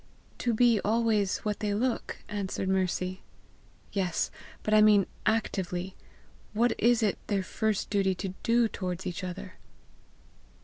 "To be always what they look," answered Mercy. "Yes, but I mean actively. What is it their first duty to do towards each other?"